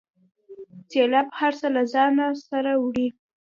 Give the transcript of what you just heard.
سیلاب هر څه له ځانه سره وړي.